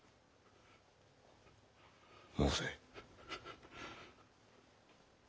申せ。